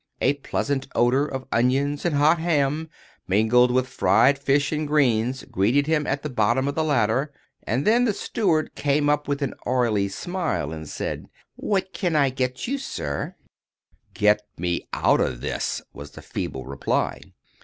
A pleasant odour of onions and hot ham, mingled with fried fish and greens, greeted him at the bottom of the ladder; and then the steward came up with an oily smile, and said: "What can I get you, sir?" [Picture: Man feeling ill] "Get me out of this," was the feeble reply.